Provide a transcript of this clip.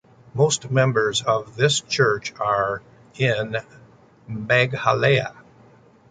Most members of this church are in Meghalaya.